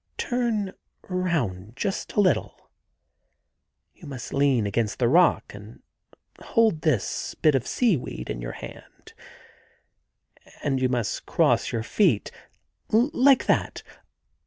... Turn round just a little. .•. You must lean against the rock and hold this bit of seaweed in your hand ; and you must cross your feet — like that.